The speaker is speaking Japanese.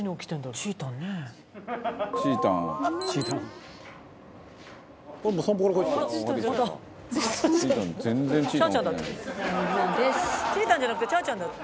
「ちーたんじゃなくてチャーちゃんだった」